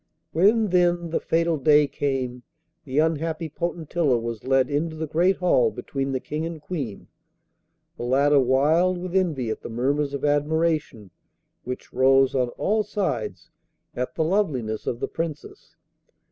When, then, the fatal day came the unhappy Potentilla was led into the great hall between the King and Queen, the latter wild with envy at the murmurs of admiration which rose on all sides at the loveliness of the Princess.